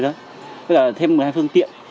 tức là thêm một mươi hai phương tiện